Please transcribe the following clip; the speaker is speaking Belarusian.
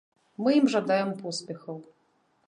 Мы ім жадаем поспехаў.